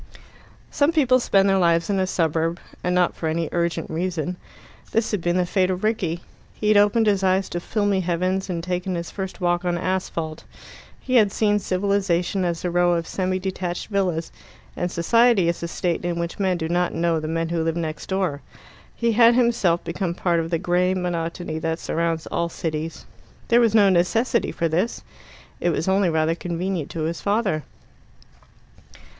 Some people spend their lives in a suburb, and not for any urgent reason. This had been the fate of Rickie. He had opened his eyes to filmy heavens, and taken his first walk on asphalt. He had seen civilization as a row of semi detached villas, and society as a state in which men do not know the men who live next door. He had himself become part of the grey monotony that surrounds all cities. There was no necessity for this it was only rather convenient to his father.